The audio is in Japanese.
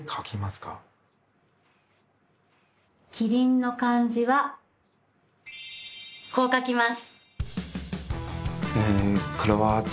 「キリン」の漢字はこう書きます。